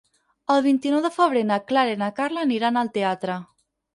El vint-i-nou de febrer na Clara i na Carla aniran al teatre.